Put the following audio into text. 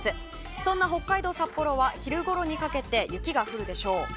そんな北海道札幌は昼頃にかけて雪が降るでしょう。